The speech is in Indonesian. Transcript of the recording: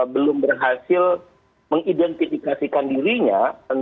belum berhasil mengidentifikasikan dirinya